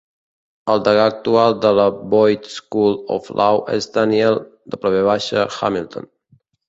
El degà actual de la Boyd School of Law és Daniel W. Hamilton.